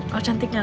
kok cantik gak